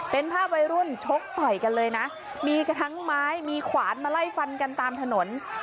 เป็นภาพวัยรุ่นชกต่อยกันเลยนะมีทั้งไม้มีขวานมาไล่ฟันกันตามถนน